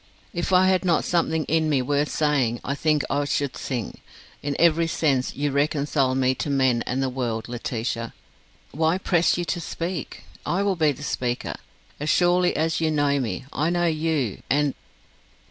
If I had not something in me worth saying I think I should sing. In every sense you reconcile me to men and the world, Laetitia. Why press you to speak? I will be the speaker. As surely as you know me, I know you: and